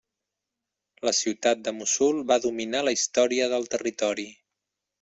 La ciutat de Mossul va dominar la història del territori.